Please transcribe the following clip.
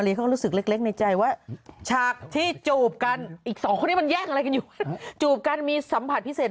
พี่ไม่เข้าใจจุบกันเรียกหลายพิเศษ